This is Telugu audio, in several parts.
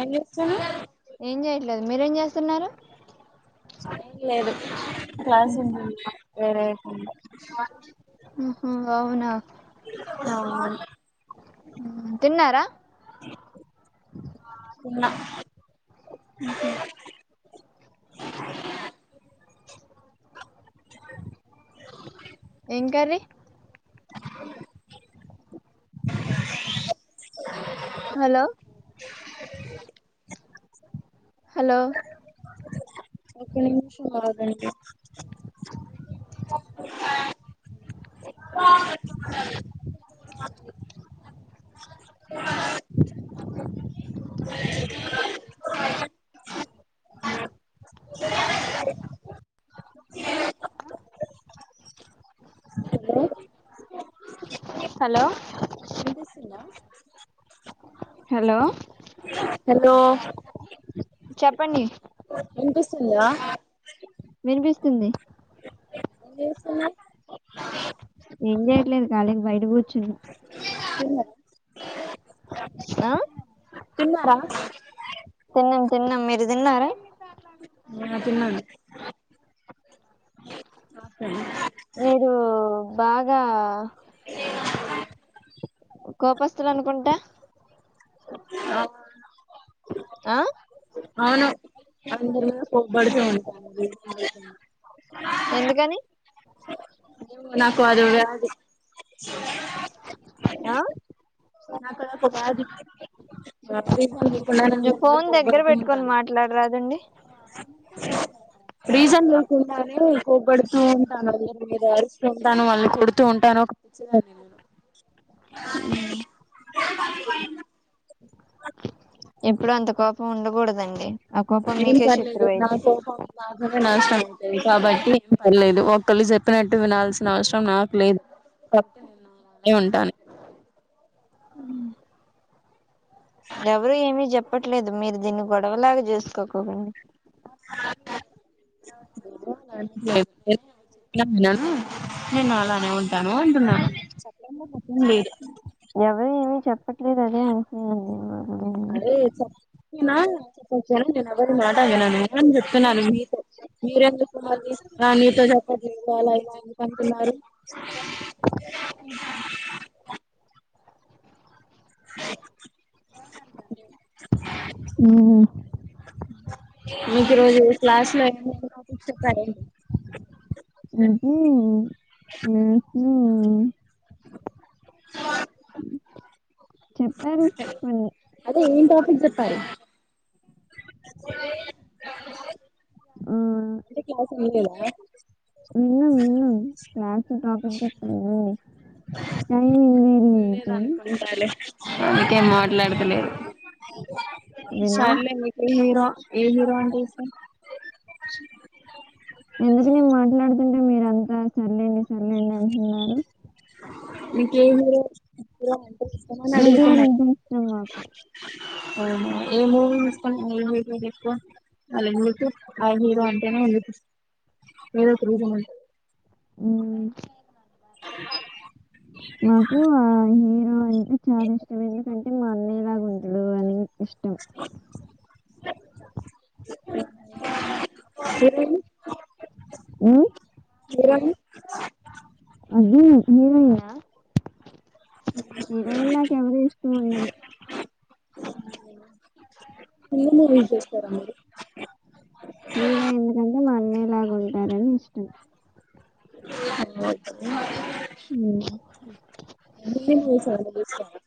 ఏం చేస్తున్రూ ఏం చేయట్లేదు మీరేం చేస్తున్నారు ఎం లేదు క్లాస్ వింటున్నా వేరే కుండా ఉహు అవునా ఆవును తిన్నారా ఆ తిన్న ఉహు [unintelligible] ఎం కర్రీ [inaudible] హలో హలో ఒక నిమిషం ఆగు గన్ని [unintelligible] హలో హలో వినిపిస్తుందా హలో హలో చెప్పండి వినిపిస్తుందా వినిపిస్తుంది ఏం చేస్తున్నార్ ఏం చేయట్లేదు కాలీగా బయట కూర్చు చ్చన్న అట్లెంలేదు [inaudible] ఆ తిన్నారా? తిన్నం తిన్నం మీరు తిన్నార? అ తిన్నను మీరు బాగా అ కోపస్తులు అనుకుంటా ఆ అ అవును అందులో పోబెడుతు ఉంటాను [inaudible] ఉమ్ ఎందుకని నాకు అది రాదు ఆ నా పోది రీజన్ లేకుండా కొంచెం ఫోన్ దగ్గర పోబడుత పెట్టుకొని ఉంటాను మాట్లాడరాదండి రీజన్ [unintelligible] ఉన్నారు పోబెడు ఉంట రైస్ [unintelligible] ఉంటాను మళ్ళీ కొడుతూ ఉంటాను ఒక పిచ్చిదాన్ని నేను ఉమ్ కాది ప అ ఎప్పుడు అంత కోపం ఉండకూడదండి ఆ కోపం ఏం మీకే పర్లేదు శత్రువు అయిద్ది నాకోపం నా నష్టం [inaudible] కాబట్టి ఏం పర్లేదు ఒకళ్ళు చెప్పినట్టు వినాల్సిన అవసరం నాకు లేదు కాబట్టి నేను అలానే ఉంటాను. ఉమ్ ఎవరు ఏమి చెప్ చెప్పట్లేదు మీరు దీన్ని గొడవలాగా చేూసుకోకండి ను నేను అలానే ఉంటాను అంటున్నాను మీర్ ట్లేదదే అంటున్నాను నేను అరే చప్పినా చెప్పచ్చను నేను ఎవరి మాట వినను. నేను చెప్తున్నాను మీతో, మీరు ఎందుకున్నారు నీతో చెప్పట్లే అలా ఇలా ఎందుకు అంటున్నారు ఉమ్ మీకు రోజు క్లాసులో ఏం ఏం టాపిక్ చెప్తారెంటి ఉజు నష్ణ [inaudible] ఉ ఆ చెప్పారు కొన్నీ అదే [inaudible] చెప్పారు ఉమ్ ఐతే క్లాస్ విన్లేద విన్నాం విన్నాం క్లాస్ టాపిక్ చెప్తే వినండి టైం ఏంది ఉండేదాన్ని కొన్నిసార్లె అందుకే మాట్లాడతలేదు విన్నా సర్లే మీకే హీరో ఏ హీరో అంటె ఇష్టం ఎందుకు నేను మాట్లాడుతుంటే మీరంతా సర్లేండి సర్లేండి అంటున్నారు నీకే హీరో హీరో అంటే ఇష్టమని ఎన్టీఆర్ అడుగుతున్నా అంటే ఇష్టం మాకు వునా ఏ మూవీ చూస్తుంటావ్ ఏ హీరో ఎక్కువ వాళ్ళ ఎందుకు ఆ హీరో అంటేనే ఏందుకు ఏదో ఒక రీజన్ ఉంటుంది ఉమ్ అ మాకు ఆ మ్మ్ అ ది చాలా ఇష్టం ఎందుకం మ అన్నీ లాగా ఉంటడు అని ఇష్టం [inaudible] ఉమ్ చూడని అది [inaudible] హీరోయిన్ నాకెవరూ ఇష్టం ఉండదు మీరు ఏం చేస్తారా అండి హీరో ఎందుకంటే మా అన్నయలాగాంటారని ఇష్టం [inaudible] ఉమ్. హీరోయిన్స్ [inaudible] యి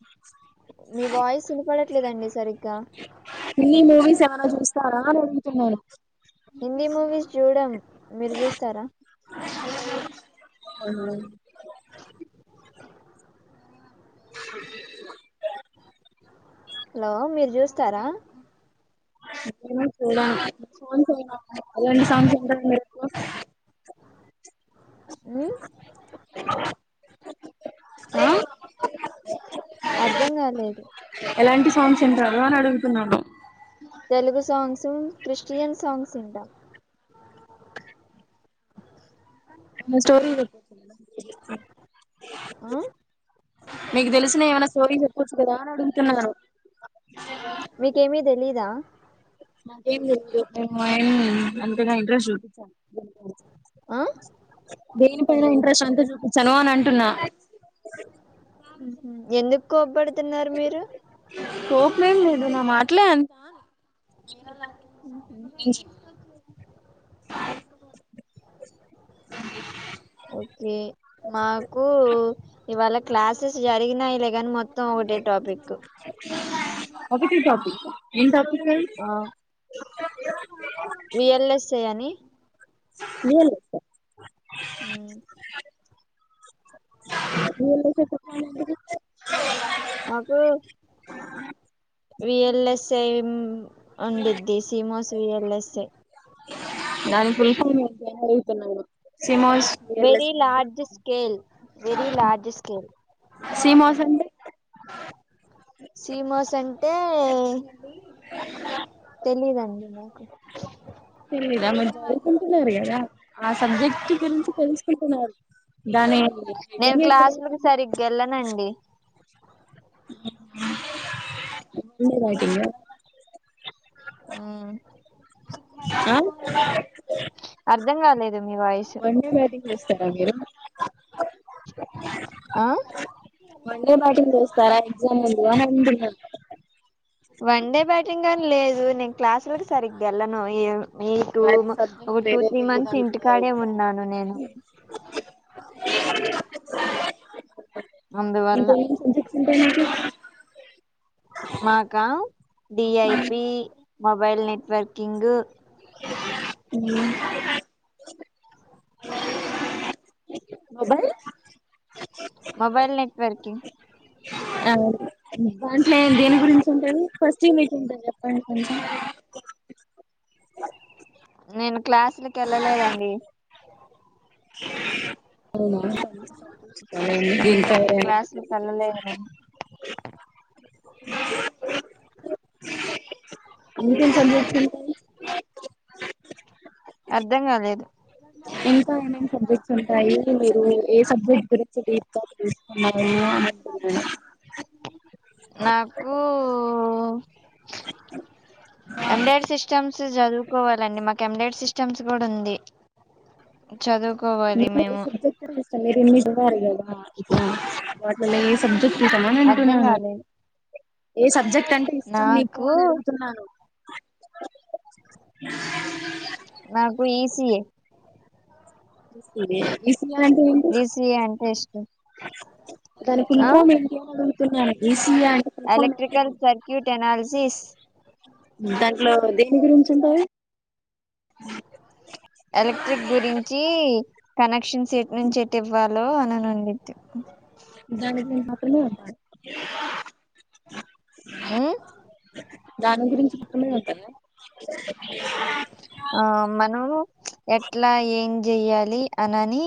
మీ వాయిస్ వినపడట్లేదండి సరి త్రీ మూవీస్ ఏమైనా చూస్తారా అని అడుగుతున్నాను హిందీ మూవీస్ చూడం మీరు చూస్తారా ఊ అవునా జి హలో మీరు చూస్తారా [inaudible] ఆహ్ ఆ అర్థం కాలేదు ఎలాంటి సాంగ్స్ వింటారు అని అడుగుతున్నా తినడు తెలుగు సాంగ్స్ క్రిస్టియన్ సాంగ్స్ వింటా స్టోరీ ఆ? మీకు తెలిసిన ఏమనా సి స్టోరీ చెప్పోచ్చు కదా అని అడుగుతున్నా మీకేమి తెలీదు దా మాకేం తెలీదు మేమేం అంతగా ఇంట్రెస్ట్ చూయించం [unintelligible] ఆ దేనిపైన ఇంట్రెస్ట్ అంత చూపించను అని అంటున్నా ఎందుకు కొపడు తున్నారు మీరు కోపమేమి లేదు నా మాట్లే అంతా అని [inaudible] అ [unintelligible] ఓకే మాకు ఇవాళ క్లాసెస్ జరిగినాయిలే కాని మొత్తం త్తం ఒకటే టాపిక్ ఎం టాపిక్ అది ఆ విఎల్ఎస్ఏ అని వి ఎల్ ఎస్ ఐ ఆ V L S I technology మాకు విఎల్ఎస్ఐ ఉండిద్ది సీమోస్ విఎల్ఎస్ఐ దాని ఫుల్ ఫామ్ ఏంటి అని అడుగుతున్న నేను very large scale very large scale CMOS అంటే సీమోస్ అంటే తెలీదండి నాకు తెలీదా మీరు చదువుకుంటున్నారు కదా ఆ సబ్జెక్ట్ గురించి తెలుసుకుంటున్నారు. దాని హెడ్డింగ్ ఏంటిఅసలు ఇంకా ఎల్లనండి. ఉమ్ ఉమ్ ఆ అర్ధం కాలేదు మీ వాయిస్ వన్డే బాటింగ్ చేస్తారా మీరు ఆ వన్డే బాటింగ్ చేస్తారా ఎక్సమ్ ముందు వారండుల వన్ డే బ్యాటింగ్ అని లేదు నె క్లాసులకు సరిగ్గావేళ్లను ఈ టూ మరి ఒక సబ్జెక్ట్ టూ పేరే త్రీ తెలియదు మంత్స్ అంటున్నారు ఇంటికాడే కదా ఉన్నాను నేను అందువల్ల ఇంకా ఏమ్ సబ్జక్ట్స్ ఉంటాయి మీకు మాకా D I P mobile networking [inaudible] um mobile mobile networking ఆ దాంట్ల ఎ దేని గురించి ఉంటది. ఫస్ట్ యూనిట్ ఉంటదా చెప్పండి కొంచం నేను క్లాసులకి ఎళ్ళలేదండి అవునా [inaudible] ఉమ్, తయారయ్యాను క్లాసులకి వెళ్ళలేదు నేను ఇంకేం సబ్జెక్ట్స్ ఉంటాయి. అర్ధం కాలేదు. ఇంకా ఏమేం సబ్జెక్ట్స్ ఉంటాయి. మీరు ఏ సబ్జెక్ట్ గురించి డీప్గా తెలుసు [unintelligible] నాకూ ఓ ఎండైడ్ సిస్టమ్స్ చదువుకోవాలండి మక్ కెమ్డైడ్ సిస్టమ్స్ గుడుంది మీకు ఏ సబ్జెక్ట్ అంటే ఇష్టం లేదండి మీకు పరిలలు. ఆహ్ ఇప్పుడు. వాట్లాలో ఏ సబ్జెక్ట్. నిజమా నేను అర్ధం అంటున్నాను. కాలేదు ఏ సబ్జెక్ట్ అంటే ఇష్టం మీకు నాకు అని అడుగుతున్నాను. నాకు ఈసిఎ. పునే ఈసి. ఈసిఏ అంటే ఏంటి ఈసీఏ అంటే ఇష్టం దాని ఫుల్ఫాం ఏంటి అని అడుగు తనకిస్. Electrical circuit analysis. దాంట్లో దేని గురించి ఉంటది. ఎలక్ట్రిక్ గురించి కనెక్షన్స్ ఎటు నుంచి ఎటు ఇవ్వాలి. హలో [inaudible] దాని మాపున్నా అడిగాను. ఉమ్ దాని గురించి ఇక్కడనే ఉంటా. ఆహ్. ఆహ్ మనం ఎట్లా ఏం చెయ్యాలి అనాన్ని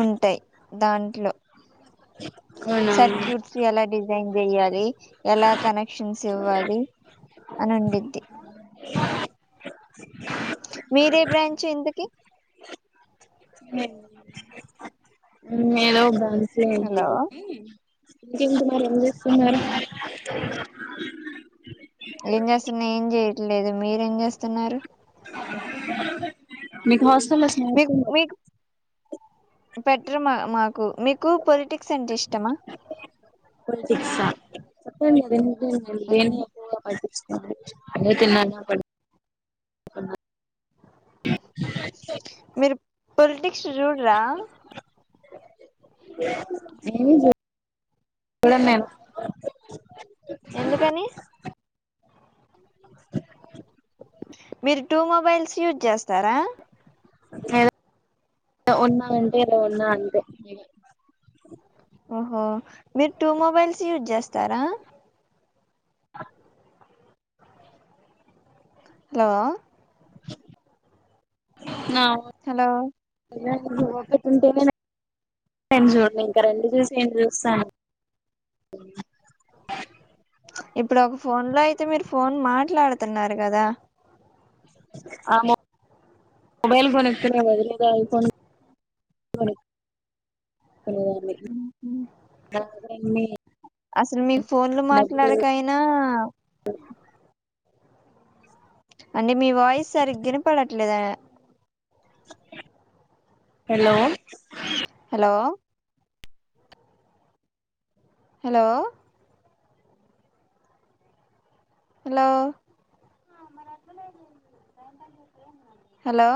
ఉంటాయి దాంట్లో. సర్క్యూట్స్ ఎలా డిజైన్ చేయ్యాలి. హేయ్. ఎలా కనెక్షన్స్. ఇవ్వాలి అని ఉండిద్ది. మీరే బ్రాంచు ఇంతకి. మేలో ఉద్దాలి. సీనియర్ హలో కాబట్టి. తింటున్నారు ఏం చేస్తున్నారు. మ్మ్హ్మ్. ఏం చేస్తున్నా ఏం చేయట్లేదు మీరేం చేస్తున్నారు. మీకు హాస్టల్ లో స్నేహితులు ఉన్. పెట్టర్ మా మాకు. మీకు పొలిటిక్స్ అంటే ఇష్టమా. పొలిటిక్సా చెప్పండి అంది ఏందో. నేను దేన్ని మ్మ్. ఎక్కువగా పైసల్ తీసుకోను. అంతే తిన్నారా ఆపండి. మీరు పొలిటిక్ చూడ్ రా ఏం చూ ల మేము ఎందుకని? మీరు టూ మొబైల్స్ యూజ్ చేస్తారా? ఏదొ ఉన్నా అంటే ఇలా ఉన్నా అంతె ఇగ ఓహో మీరు టూ మొబైల్స్ యూజ్ చేస్తారా ఆ హలో నావో హలో [unintelligible] ఒక ఉంటేనే ఏం చూడలే ఇంకా రెండు చూసి ఏం చూస్తాను ఇప్పుడు ఒక ఫోన్ లో అయితే మీరు ఫోన్ మాట్లాడుతున్నారు కదా! ఆ మో మొబైల్ ఫోన్ ఎత్కొనే బదులు ఏదో ఐ ఫోన్ కొని ఉహు దగ్గర అన్ని అసలు మీకు ఫోన్లు డబ్బులు మాట్లాడెకయినా అండి మీ వాయిస్ సరిగ్గినపడట్లేద హలో ఓ హలో హలో హలో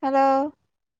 హలో